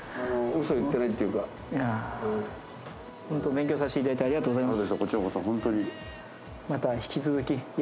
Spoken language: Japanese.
勉強させていただいてありがとうございます。